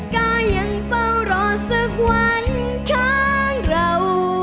ก็ยังเฝ้ารอสักวันข้างเรา